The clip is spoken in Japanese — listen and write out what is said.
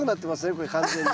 これ完全に。